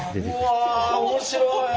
うわ面白い。